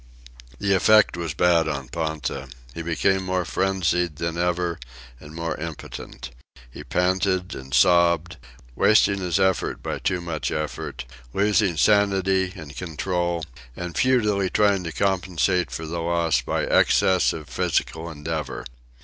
The effect was bad on Ponta. He became more frenzied than ever, and more impotent. He panted and sobbed, wasting his effort by too much effort, losing sanity and control and futilely trying to compensate for the loss by excess of physical endeavor.